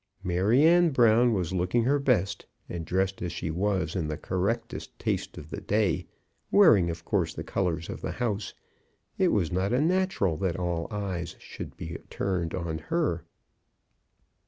Maryanne Brown was looking her best, and dressed as she was in the correctest taste of the day, wearing of course the colours of the house, it was not unnatural that all eyes should be turned on her.